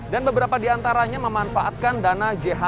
dan beberapa diantaranya memanfaatkan dana jualan